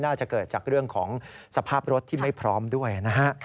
น่าจะเกิดจากเรื่องของสภาพรถที่ไม่พร้อมด้วยนะฮะ